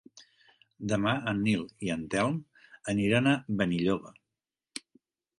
Demà en Nil i en Telm aniran a Benilloba.